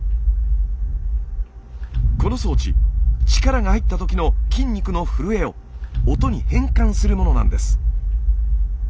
この装置力が入ったときの筋肉の震えを音に変換するものなんです。